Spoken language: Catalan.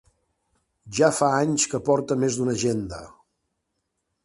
Ja fa anys que porta més d'una agenda.